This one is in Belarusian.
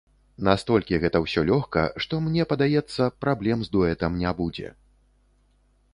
Настолькі гэта ўсё лёгка, што мне падаецца, праблем з дуэтам не будзе.